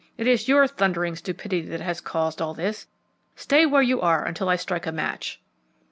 "It is your thundering stupidity that has caused all this. Stay where you are until I strike a match."